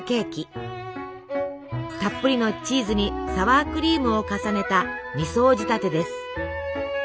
たっぷりのチーズにサワークリームを重ねた２層仕立てです。